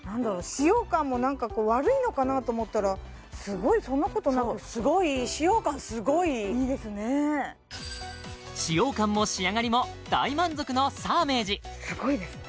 使用感もなんか悪いのかなと思ったらすごいそんなことなくそうすごいいい使用感も仕上がりも大満足のサーメージすごいですね